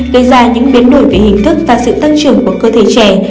gây ra những biến đổi về hình thức và sự tăng trưởng của cơ thể trẻ